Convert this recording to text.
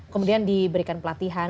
kemudian diberikan pelatihan